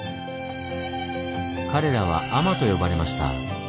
彼らは「海人」と呼ばれました。